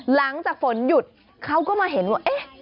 หลังจากฝนหยุดเขาก็มาเห็นว่าเอ๊ะ